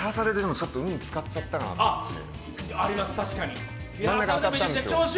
真ん中当たったんですよ。